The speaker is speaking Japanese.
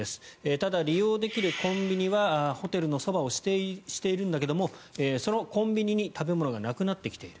ただ、利用できるコンビニはホテルのそばを指定しているんだけどもそのコンビニに食べ物がなくなってきている。